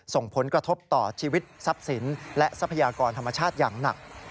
ส่งผลกระทบต่อชีวิตทรัพย์สินและทรัพยากรธรรมชาติอย่างหนัก